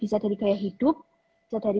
bisa dari gaya hidup bisa dari